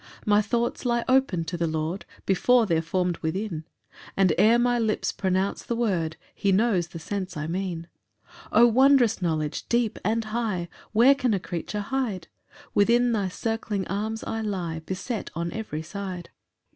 3 My thoughts lie open to the Lord Before they're form'd within: And ere my lips pronounce the word, He knows the sense I mean. 4 O wondrous knowledge, deep and high! Where can a creature hide? Within thy circling arms I lie, Beset on every side.